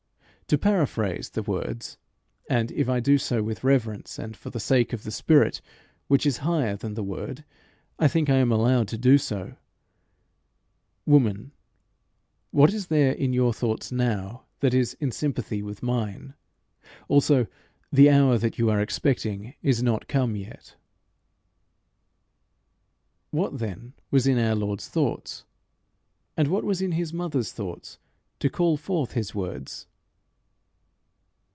To paraphrase the words and if I do so with reverence and for the sake of the spirit which is higher than the word, I think I am allowed to do so "Woman, what is there in your thoughts now that is in sympathy with mine? Also the hour that you are expecting is not come yet." What, then, was in our Lord's thoughts? and what was in his mother's thoughts to call forth his words?